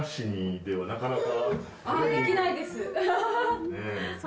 できないです。